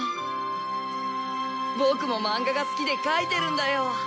ボクも漫画が好きで描いてるんだよ。